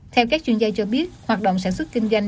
theo các chuyên gia cho biết hoạt động sản xuất kinh doanh